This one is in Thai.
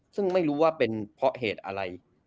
ซึ่งไม่รู้ว่าเป็นเพราะเหตุอะไร